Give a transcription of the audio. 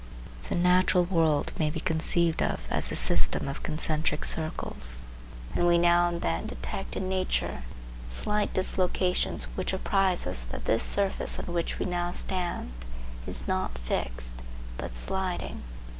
The natural world may be conceived of as a system of concentric circles, and we now and then detect in nature slight dislocations which apprise us that this surface on which we now stand is not fixed, but sliding.